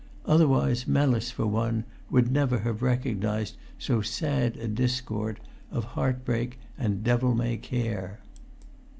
Otherwise Mellis, for one, would never have recognised so sad a discord of heartbreak and devil may care.